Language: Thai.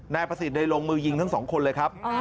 นายประสิทธิ์ได้ลงมือยิงทั้งสองคนเลยครับ